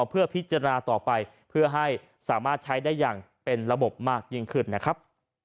เพื่อพิจารณาต่อไปเพื่อให้สามารถใช้ได้อย่างเป็นระบบมากยิ่งขึ้นนะครับ